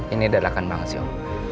ini adalah kan banget sih om